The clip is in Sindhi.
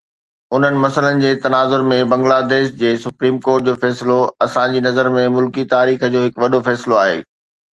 انهن مسئلن جي تناظر ۾ بنگلاديش جي سپريم ڪورٽ جو فيصلو اسان جي نظر ۾ ملڪي تاريخ جو هڪ وڏو فيصلو آهي.